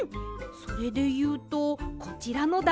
それでいうとこちらのだごなるどは。